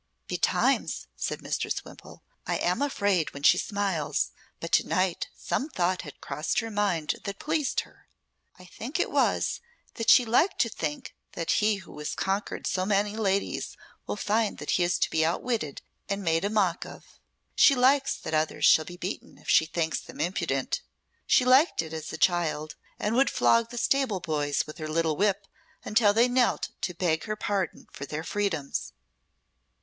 "Betimes," said Mistress Wimpole, "I am afraid when she smiles, but to night some thought had crossed her mind that pleased her. I think it was that she liked to think that he who has conquered so many ladies will find that he is to be outwitted and made a mock of. She likes that others shall be beaten if she thinks them impudent. She liked it as a child, and would flog the stable boys with her little whip until they knelt to beg her pardon for their freedoms."